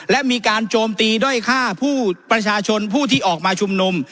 และมีการโจมตีด้อยฆ่าผู้ประชาชนผู้ที่ออกมาชุมนุม